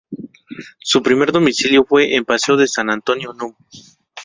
Su primer domicilio fue en Paseo de San Antonio num.